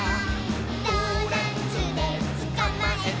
「ドーナツでつかまえた！」